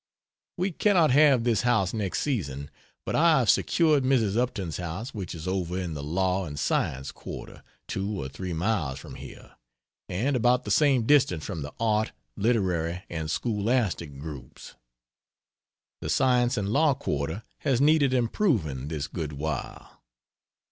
We cannot have this house next season, but I have secured Mrs. Upton's house which is over in the law and science quarter, two or three miles from here, and about the same distance from the art, literary, and scholastic groups. The science and law quarter has needed improving, this good while.